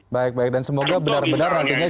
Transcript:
baik baik dan semoga benar benar nantinya